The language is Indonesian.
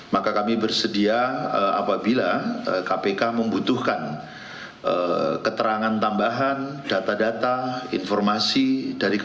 maka kami bersedia apabila kpk membutuhkan keterangan tambahan data data informasi dari kpk